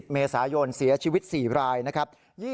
เมษายนเสียชีวิต๔รายนะครับ